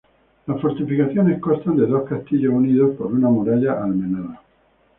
Las fortificaciones constan de dos castillos unidos por una muralla almenada.